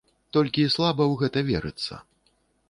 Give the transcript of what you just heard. Толькі слаба ў гэта верыцца.